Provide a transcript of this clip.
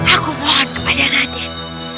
aku mohon kepada raden